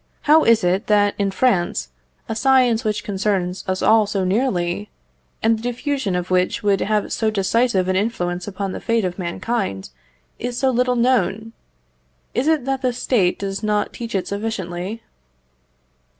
How is it that, in France, a science which concerns us all so nearly, and the diffusion of which would have so decisive an influence upon the fate of mankind, is so little known? Is it that the State does not teach it sufficiently?